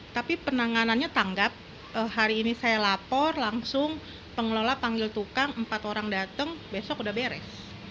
tapi penanganannya tanggap hari ini saya lapor langsung pengelola panggil tukang empat orang datang besok udah beres